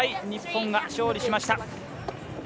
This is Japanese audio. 日本が勝利しました。